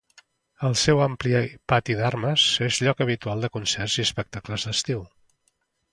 El seu ampli pati d'armes és lloc habitual de concerts i espectacles d'estiu.